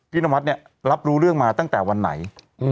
นวัดเนี่ยรับรู้เรื่องมาตั้งแต่วันไหน